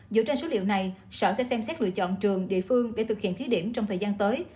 dựa trên số liệu này sở sẽ xem xét lựa chọn trường địa phương để thực hiện thí điểm trong thời gian tới